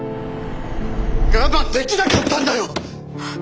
我慢できなかったんだよ！